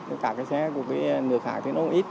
thế cả cái xe của cái nước hạng thì nó ít